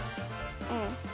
うん。